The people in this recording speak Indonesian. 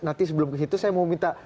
nanti sebelum ke situ saya mau minta